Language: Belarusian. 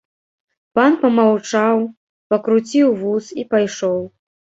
Пан памаўчаў, пакруціў вус і пайшоў.